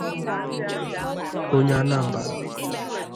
onye Anambra